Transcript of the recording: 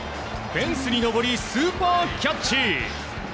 フェンスに上りスーパーキャッチ。